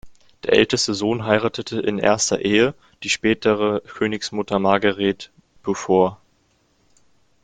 Der älteste Sohn heiratete in erster Ehe die spätere Königsmutter Margaret Beaufort.